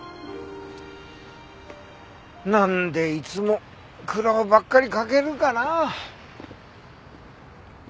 なんでいつも苦労ばっかりかけるかな。